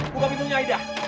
buka pintunya aida